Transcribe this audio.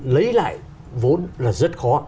lấy lại vốn là rất khó